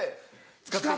使って。